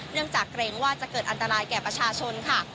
จากเกรงว่าจะเกิดอันตรายแก่ประชาชนค่ะ